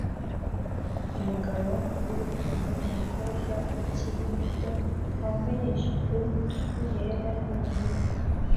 Umugabo wirukanye umukobwa ukiri muto wambaye ijipo yumutuku yera nubururu